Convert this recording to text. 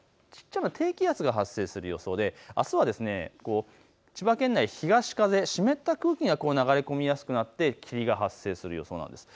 低気圧が発生する予想であすは千葉県内、東風、湿った空気が流れ込みやすくなって霧が発生する予想です。